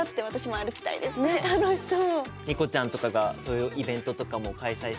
楽しそう。